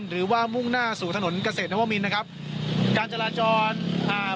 มุ่งหน้าสู่ถนนเกษตรนวมินนะครับการจราจรอ่า